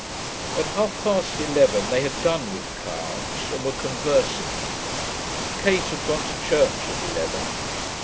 At half past eleven they had done with cards, and were conversing. Kate had gone to church at eleven.